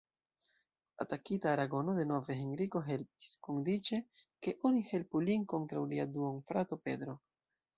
Atakita Aragono denove, Henriko helpis, kondiĉe ke oni helpu lin kontraŭ lia duonfrato Pedro.